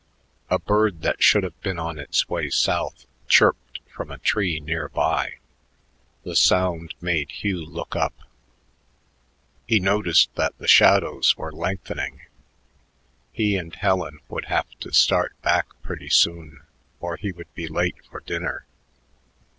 A bird that should have been on its way south chirped from a tree near by. The sound made Hugh look up. He noticed that the shadows were lengthening. He and Helen would have to start back pretty soon or he would be late for dinner.